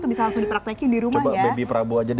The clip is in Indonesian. bisa langsung dipraktekin di rumah ya